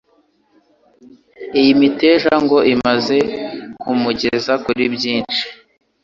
Iyi miteja ngo imaze kumugeza kuri byinshi